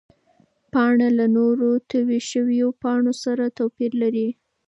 پاڼه له نورو تویو شوو پاڼو سره توپیر لري.